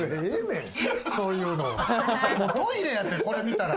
トイレやて、これ見たら。